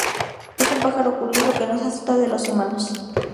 Es un pájaro curioso que no se asusta de los humanos.